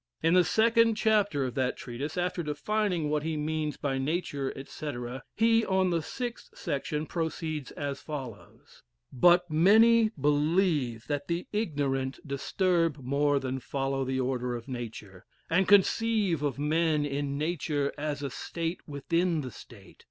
In the second chapter of that Treatise, after defining what he means by nature, etc., he, on the sixth section, proceeds as follows: "But many believe that the ignorant disturb more than follow the order of nature, and conceive of men in nature as a state within the state.